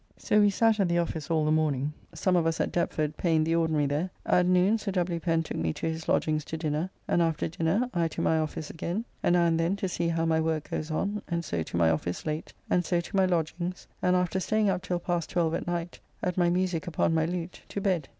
So we sat at the office all the morning, some of us at Deptford paying the ordinary there; at noon Sir W. Pen took me to his lodgings to dinner, and after dinner I to my office again, and now and then to see how my work goes on, and so to my office late, and so to my lodgings, and after staying up till past 12 at night, at my musique upon my lute, to bed.